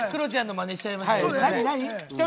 クロちゃんのマネしちゃいました。